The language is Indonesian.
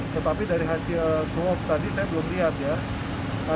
tetapi dari hasil swap tadi saya belum lihat ya